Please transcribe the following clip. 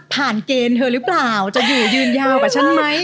เกณฑ์เธอหรือเปล่าจะอยู่ยืนยาวกว่าฉันไหม